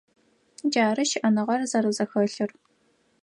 Джары щыӏэныгъэр зэрэзэхэлъыр.